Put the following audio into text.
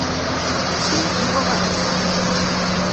Tessnemt Yuba ahat?